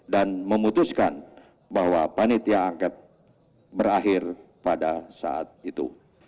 dan memutuskan bahwa panitia angket berakhir pada saat itu